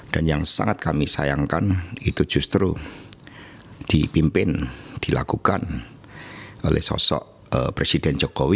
dan yang sangat kami sayangkan itu justru dipimpin dilakukan oleh sosok presiden jokowi